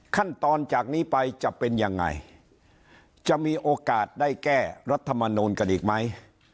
ขั้นตอนจากนี้ไปจะเป็นยังไงจะมีโอกาสได้แก้รัฐมนูลกันอีกไหม